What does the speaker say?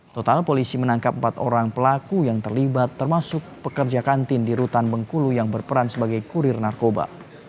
total polisi menangkap empat orang pelaku yang terlibat termasuk pekerja kantin di rutan bengkulu yang berperan sebagai kurir narkoba